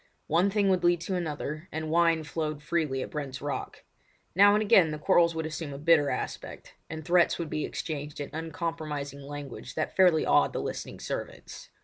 One thing would lead to another, and wine flowed freely at Brent's Rock. Now and again the quarrels would assume a bitter aspect, and threats would be exchanged in uncompromising language that fairly awed the listening servants.